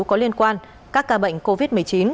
có liên quan các ca bệnh covid một mươi chín